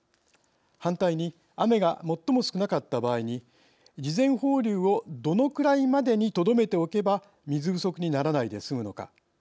反対に雨が最も少なかった場合に事前放流をどのくらいまでにとどめておけば水不足にならないで済むのか。